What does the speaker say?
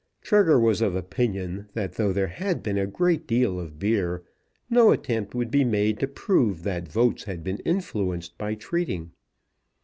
Trigger was of opinion that though there had been a great deal of beer, no attempt would be made to prove that votes had been influenced by treating.